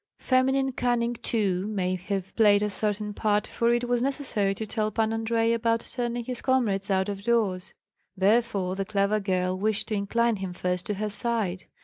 Feminine cunning too may have played a certain part, for it was necessary to tell Pan Andrei about turning his comrades out of doors; therefore the clever girl wished to incline him first to her side.